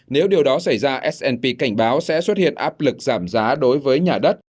nếu điều đó xảy ra s p cảnh báo sẽ xuất hiện áp lực giảm giá đối với nhà đất